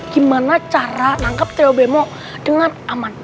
gimana cara nangkep trio bemo dengan aman